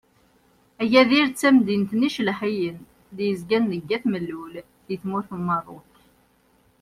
Agadir d tamdint n yicelḥiyen i d-yezgan deg At Mellul di tmurt n Merruk.